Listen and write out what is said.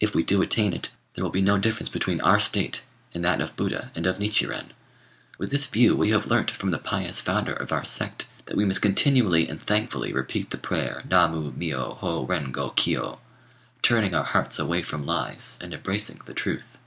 If we do attain it, there will be no difference between our state and that of Buddha and of Nichiren. With this view we have learnt from the pious founder of our sect that we must continually and thankfully repeat the prayer Na Mu Miyô Hô Ren Go Kiyô, turning our hearts away from lies, and embracing the truth."